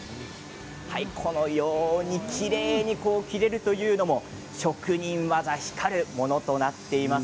このようにきれいに切れるというのも職人技光るものとなっています。